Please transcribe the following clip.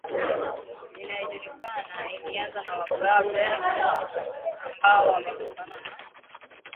inayojulikana ilianza na Waberber ambao wametokana na